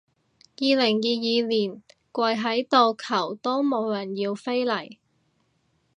二零二二年跪喺度求都冇人要飛嚟